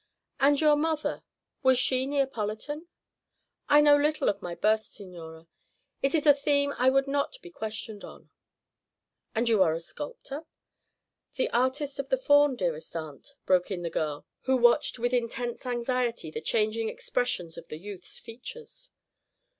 "And your mother, was she Neapolitan?" "I know little of my birth, signora. It is a theme I would not be questioned on." "And you are a sculptor?" "The artist of the Faun, dearest aunt," broke in the girl, who watched with intense anxiety the changing expressions of the youth's features.